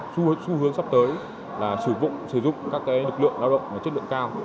xu hướng sắp tới là sử dụng sử dụng các cái lực lượng lao động mà chất lượng cao